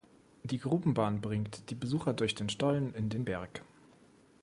Die Grubenbahn bringt die Besucher durch den Stollen in den Berg.